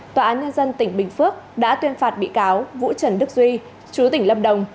tòa án nhân dân tỉnh bình phước đã tuyên phạt bị cáo vũ trần đức duy chú tỉnh lâm đồng